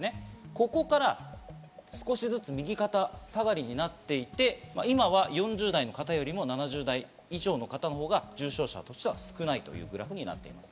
ここから少しずつ右肩下がりになっていて、今は４０代の方よりも７０代以上の方のほうが重症者としては少ないグラフになっています。